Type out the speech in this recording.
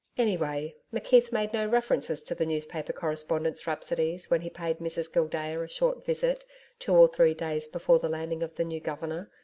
Anyway, McKeith made no references to the newspaper correspondent's rhapsodies when he paid Mrs Gildea a short visit two or three days before the landing of the new Governor.